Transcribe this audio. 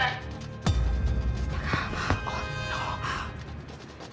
kalau diakuramu lah bagaimana